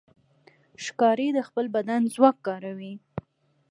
ښکاري د خپل بدن ځواک کاروي.